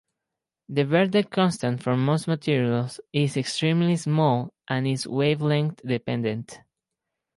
The Verdet constant for most materials is extremely small and is wavelength dependent.